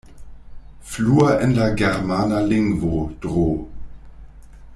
Flua en la germana lingvo, Dro.